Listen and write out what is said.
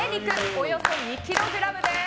およそ２ｋｇです！